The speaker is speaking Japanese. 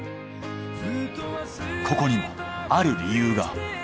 ここにもある理由が。